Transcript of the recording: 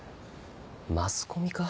マスコミか？